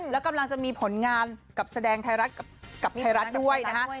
แล้วกำลังจะมีผลงานกับแสดงไทยรัฐกับไทยรัฐด้วยนะฮะ